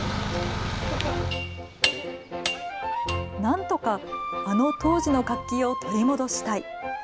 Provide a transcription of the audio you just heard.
なんとか、あの当時の活気を取り戻したい。